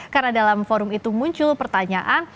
karena dalam forum itu muncul pertanyaan